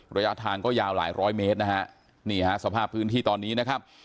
ระยะทางก็ยาวหลายร้อยเมตรนะฮะนี่ฮะสภาพพื้นที่ตอนนี้นะครับ